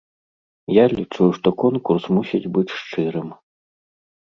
Я лічу, што конкурс мусіць быць шчырым.